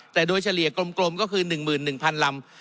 แต่โดยเฉลี่ยกลมก็คือ๑๑๐๐๐ลำ